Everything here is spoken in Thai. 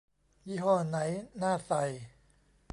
ยี่ห้อไหนน่าใส่